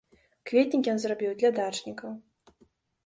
Кветнік ён зрабіў для дачнікаў.